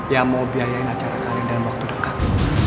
yang mau biayain acara kalian dalam waktu dekat